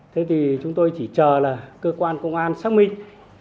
thế thì chúng tôi chỉ chờ là cơ quan công an xác minh